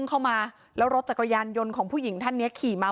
เข้ามาแล้วรถจักรยานยนต์ของผู้หญิงท่านนี้ขี่มา